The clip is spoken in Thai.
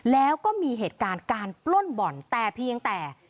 แล้วก็มีเหตุการณ์การปล้นบ่อนแต่เพียงแต่